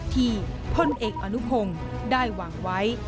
พลเอกอนุพงศ์ได้วางไว้